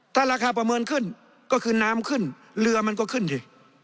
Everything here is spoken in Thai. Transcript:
ถ้าราคาประเมินขึ้นก็คือน้ำขึ้นเรือมันก็ขึ้นสิ